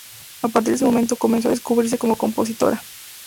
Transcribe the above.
A partir de ese momento comenzó a descubrirse como compositora.